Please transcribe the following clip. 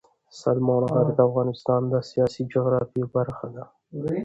سلیمان غر د افغانستان د سیاسي جغرافیه برخه ده.